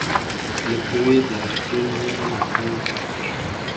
لفروی د جین مینه ناکام پاتې شوه.